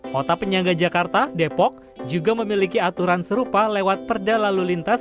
kota penyangga jakarta depok juga memiliki aturan serupa lewat perda lalu lintas